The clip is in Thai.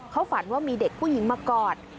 เขาฝันว่ามีเด็กผู้หญิงมากอด